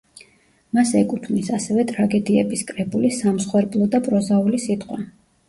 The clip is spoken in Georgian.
მას ეკუთვნის ასევე ტრაგედიების კრებული „სამსხვერპლო“ და „პროზაული სიტყვა“.